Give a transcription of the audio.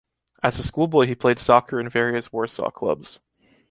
As a schoolboy he played soccer in various Warsaw clubs.